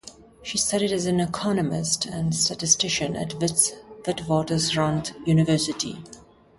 She studied as an economist and statistician at Witwatersrand University.